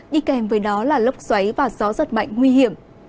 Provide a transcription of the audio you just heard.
đi kèm với đó là lốc xoáy và gió rất mạnh nguy hiểm